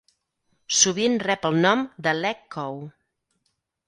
Sovint rep el nom de "LegCo".